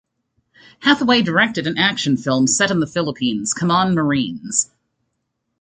Hathaway directed an action film set in the Philippines, Come On Marines!